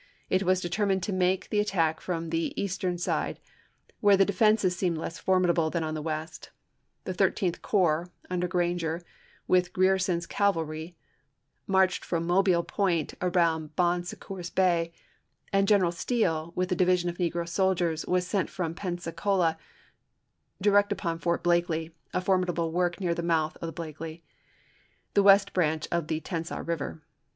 It was determined to make the attack from the eastern side 2^0 ABKAHAM LINCOLN chap. x. where the defenses seemed less formidable than on the west. The Thirteenth Corps, under Granger, with Grierson's cavalry, marched from Mobile Point around Bon Secours Bay ; and General Steele, with a division of negro soldiers, was sent from Pensacola direct upon Fort Blakely, a formidable work near the mouth of the Blakely, the west branch of the Tensaw River.